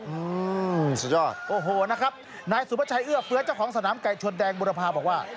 อืมสุดยอดโอ้โหนะครับนายสุภาชัยเอื้อเฟื้อเจ้าของสนามไก่ชนแดงบุรพาบอกว่า